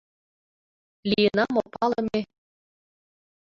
«Лийына мо палыме...»